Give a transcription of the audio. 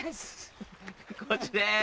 こっちです！